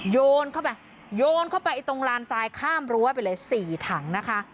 โยนเข้าไปโยนเข้าไปตรงลานทรายข้ามรั้วไปเลย๔ถังนะคะ